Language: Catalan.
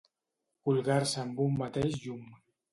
Colgar-se amb un mateix llum.